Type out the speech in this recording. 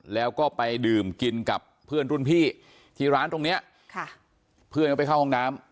แล้วก็ไปดื่มกินกับเพื่อนรุ่นพี่ที่ร้านตรงเนี้ยค่ะเพื่อนก็ไปเข้าห้องน้ำ